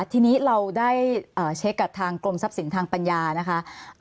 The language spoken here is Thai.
ทีนี้เราได้เช็คกับทางกรมทรัพย์สินทางปัญญานะคะ